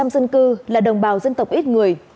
một trăm linh dân cư là đồng bào dân tộc ít người